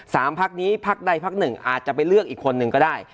สามภักดิ์นี้ภักดิ์ใดภักดิ์หนึ่งอาจจะไปเลือกอีกคนนึงก็ได้